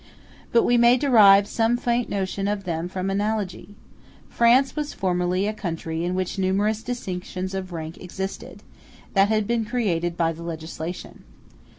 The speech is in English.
But we may derive some faint notion of them from analogy. France was formerly a country in which numerous distinctions of rank existed, that had been created by the legislation.